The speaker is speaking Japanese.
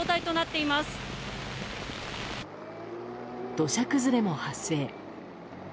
土砂崩れも発生。